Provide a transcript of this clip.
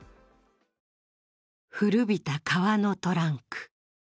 古びた革のトランク。